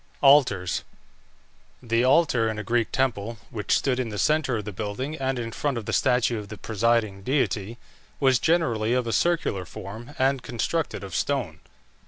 ALTARS. The altar in a Greek temple, which stood in the centre of the building and in front of the statue of the presiding deity, was generally of a circular form, and constructed of stone.